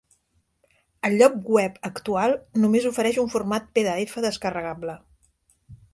El lloc web actual només ofereix un format pdf descarregable.